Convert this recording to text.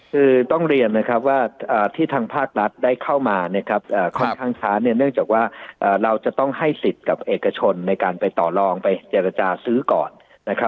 คือต้องเรียนนะครับว่าที่ทางภาครัฐได้เข้ามาค่อนข้างช้าเนี่ยเนื่องจากว่าเราจะต้องให้สิทธิ์กับเอกชนในการไปต่อลองไปเจรจาซื้อก่อนนะครับ